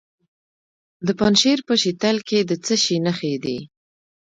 د پنجشیر په شتل کې د څه شي نښې دي؟